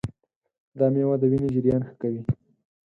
دا مېوه د وینې جریان ښه کوي.